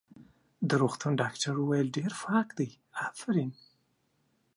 د روغتون ډاکټر وویل: ډېر پاک دی، افرین.